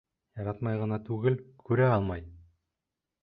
Яратмай ғына түгел, күрә алмай!